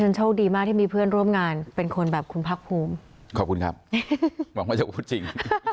โชคดีมากที่มีเพื่อนร่วมงานเป็นคนแบบคุณภาคภูมิขอบคุณครับหวังว่าจะพูดจริง